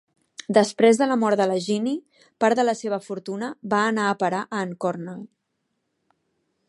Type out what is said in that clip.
Després de la mort de la Jennie, part de la seva fortuna va anar a parar a en Cornell.